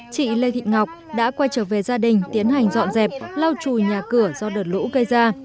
chị lê thị ngọc đã quay trở về gia đình tiến hành dọn dẹp lau chùi nhà cửa do đợt lũ gây ra